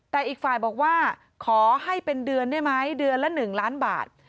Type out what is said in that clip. แต่อีกฝ่ายบอกว่าขอให้เป็นเดือนได้ไหมเดือนละ๑ล้านบาท